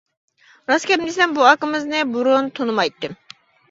راست گەپنى دېسەم، بۇ ئاكىمىزنى بۇرۇن تونۇمايتتىم.